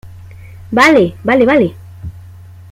vale, vale, vale.